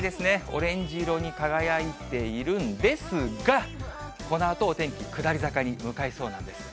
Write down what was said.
オレンジ色に輝いているんですが、このあと、お天気、下り坂に向かいそうなんです。